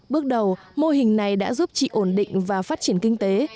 bước đầu mô hình này đã giúp chị ổn định và phát triển kinh tế